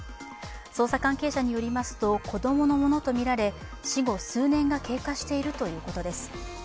捜査関係者によりますと子供のものとみられ死後数年が経過しているということです。